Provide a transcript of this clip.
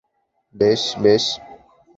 বেশ, বেশ।